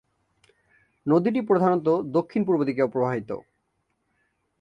নদীটি প্রধানত দক্ষিণ-পূর্ব দিকে প্রবাহিত।